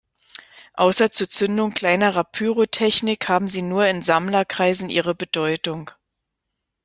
Außer zur Zündung kleinerer Pyrotechnik haben sie nur in Sammlerkreisen ihre Bedeutung.